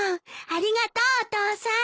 ありがとうお父さん。